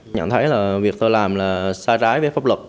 nhận thấy là việc tôi làm là sai trái với pháp luật